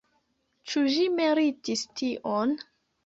Ĉu ĝi meritis tion?